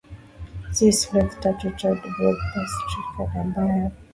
ni sloth tatu toed Bradypus tridactylus ambayo